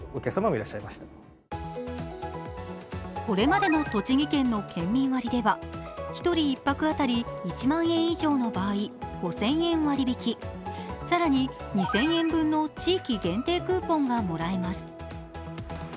これまでの栃木県の県民割では１人１泊あたり１万円以上の場合５０００円割り引き、更に２０００円分の地域限定クーポンがもらえます。